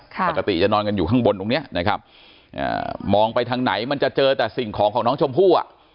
ปกติจะนอนกันอยู่ข้างบนตรงเนี้ยนะครับอ่ามองไปทางไหนมันจะเจอแต่สิ่งของของน้องชมพู่อ่ะ